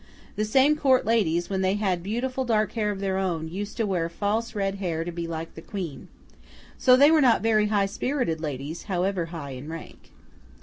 The same Court ladies, when they had beautiful dark hair of their own, used to wear false red hair, to be like the Queen. So they were not very high spirited ladies, however high in rank.